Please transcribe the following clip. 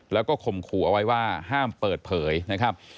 แล้วก็ข่มขู่เอาไว้ว่าห้ามเปิดเผยนะครับ